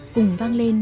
cùng vang lên